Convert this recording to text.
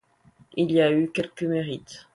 Il y a eu quelque mérite.